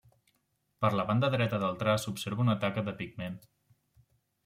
Per la banda dreta del traç s'observa una taca de pigment.